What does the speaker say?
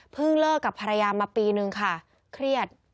เลิกกับภรรยามาปีนึงค่ะเครียด